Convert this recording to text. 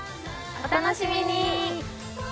お楽しみに！